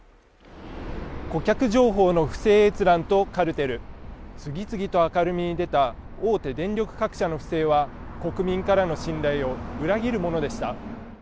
顧客情報の不正閲覧とカルテル次々と明るみに出た大手電力各社の不正は国民からの信頼を裏切るものでした。